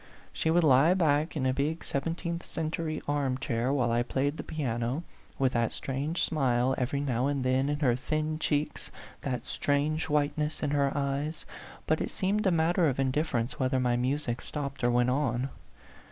She would lie back in a big seventeenth century arm chair while I played the piano, with that strange smile every now and then in her thin cheeks, that strange whiteness in her eyes ; but it seemed a matter of indifference whether my music stopped or went on.